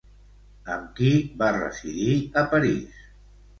Amb qui va residir a París?